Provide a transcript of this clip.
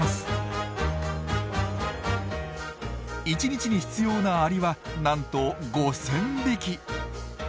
１日に必要なアリはなんと５，０００匹。